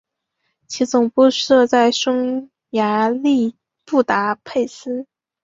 其总部设在匈牙利布达佩斯。